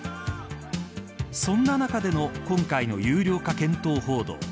そんな中での今回の有料化検討報道。